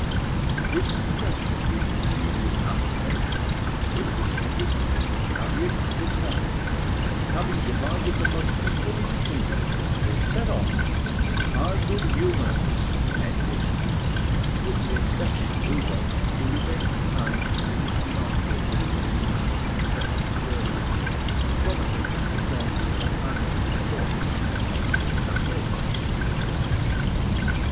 This suggestion being received with acclamation, they proceeded to carry it out at once; and having divided the money equally between them, they set off in high good humour to spend it, with the exception of Rudolf, who remained behind to finish the article for his new and precious journal, promising to join his companions in a short time at the café.